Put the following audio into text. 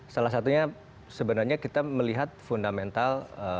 salah satunya sebenarnya kita melihat fundamental